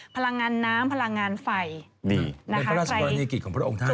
พลังงานน้ำพลังงานไฟดีในพระราชกรณีกิจของพระองค์ท่าน